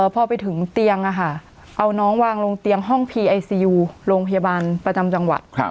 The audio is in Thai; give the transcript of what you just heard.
พอไปถึงเตียงเอาน้องวางลงเตียงห้องพีไอซียูโรงพยาบาลประจำจังหวัด